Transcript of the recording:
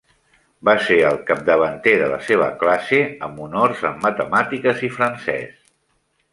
Va ser el capdavanter de la seva classe amb honors en matemàtiques i francès.